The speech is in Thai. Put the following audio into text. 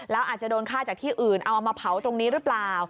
แล้วอาจจะโดนฆ่าจากที่อื่นเอามาเผาตรงนี้หรือเปล่า